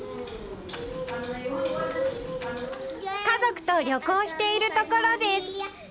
家族と旅行しているところです。